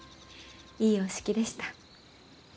いいお式でした。